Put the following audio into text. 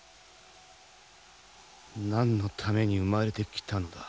何のために生まれてきたのだ。